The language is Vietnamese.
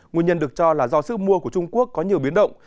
nguyên nhân được cho là do sức mua của trung quốc có nhiều biến động